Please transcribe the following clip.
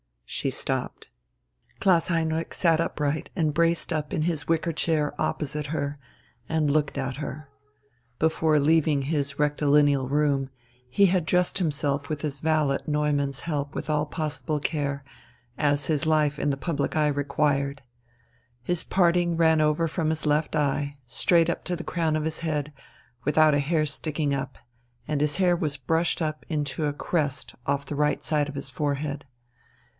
She stopped. Klaus Heinrich sat upright and braced up in his wicker chair opposite her and looked at her. Before leaving his rectilineal room, he had dressed himself with his valet Neumann's help with all possible care, as his life in the public eye required. His parting ran from over his left eye, straight up to the crown of his head, without a hair sticking up, and his hair was brushed up into a crest off the right side of his forehead.